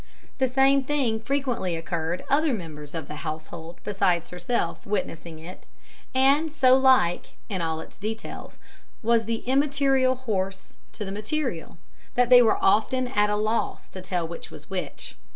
The same thing frequently occurred, other members of the household besides herself witnessing it, and so like, in all its details, was the immaterial horse to the material, that they were often at a loss to tell which was which.